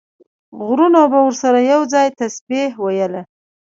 غرونو به ورسره یو ځای تسبیح ویله.